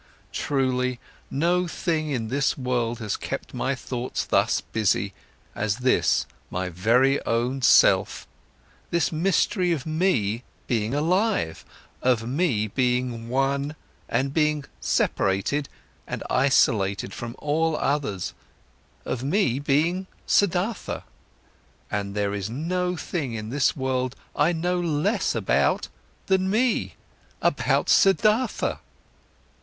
Truly, no thing in this world has kept my thoughts thus busy, as this my very own self, this mystery of me being alive, of me being one and being separated and isolated from all others, of me being Siddhartha! And there is no thing in this world I know less about than about me, about Siddhartha!"